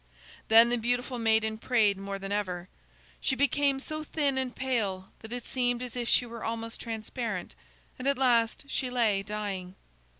Then the beautiful maiden prayed more than ever. She became so thin and pale that it seemed as if she were almost transparent, and at last she lay dying.